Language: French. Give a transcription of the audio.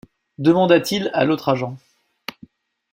demanda-t-il à l’autre agent.